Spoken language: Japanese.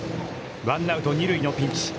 ワンアウト、二塁のピンチ。